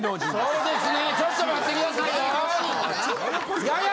そうですねちょっと待ってくださいよ。